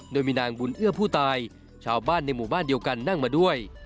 โดยมีนางบุญเอื้อผู้ตายชาวบ้านในหมู่บ้านเดียวกันนั่งมาด้วย